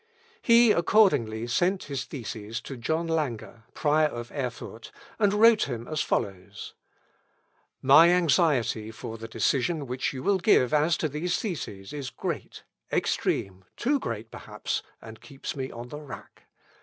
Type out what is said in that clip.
He, accordingly, sent his theses to John Lange, prior of Erfurt, and wrote him as follows: "My anxiety for the decision which you will give as to these theses is great, extreme, too great, perhaps, and keeps me on the rack.